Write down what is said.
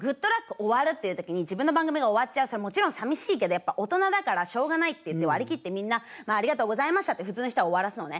終わるっていう時に自分の番組が終わっちゃうそれはもちろんさみしいけどやっぱ大人だからしょうがないっていって割り切ってみんな「ありがとうございました」って普通の人は終わらすのね。